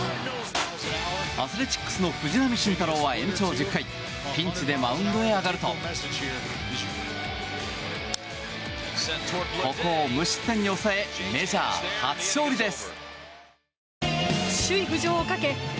アスレチックスの藤浪晋太郎は延長１０回ピンチでマウンドへ上がるとここを無失点に抑えメジャー初勝利です。